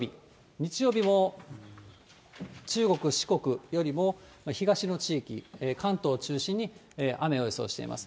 日曜日も、中国、四国よりも東の地域、関東を中心に雨を予想しています。